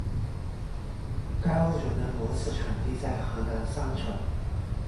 该物种的模式产地在河南商城。